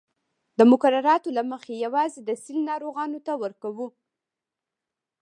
د مقرراتو له مخې یوازې د سِل ناروغانو ته ورکوو.